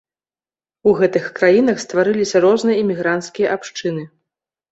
У гэтых краінах стварыліся розныя эмігранцкія абшчыны.